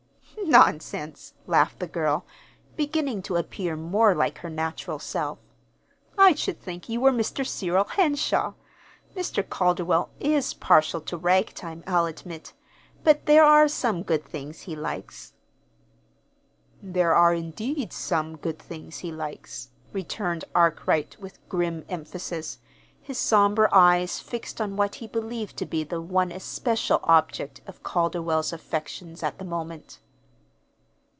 "Nonsense!" laughed the girl, beginning to appear more like her natural self. "I should think you were Mr. Cyril Henshaw! Mr. Calderwell is partial to ragtime, I'll admit. But there are some good things he likes." "There are, indeed, some good things he likes," returned Arkwright, with grim emphasis, his somber eyes fixed on what he believed to be the one especial object of Calderwell's affections at the moment.